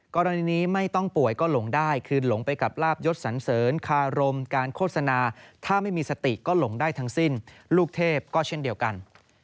กรณีนี้ไม่ต้องป่วยก็หลงได้คือหลงไปกับลาบยศสันเสริญคารมการโฆษณาถ้าไม่มีสติก็หลงได้ทั้งสิ้นลูกเทพก็เช่นเดียวกัน